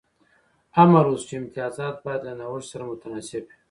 امر وشو چې امتیازات باید له نوښت سره متناسب وي